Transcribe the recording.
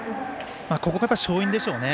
ここが、やっぱり勝因でしょうね。